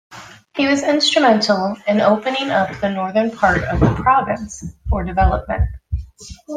He was instrumental in opening up the northern part of the province for development.